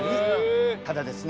ただですね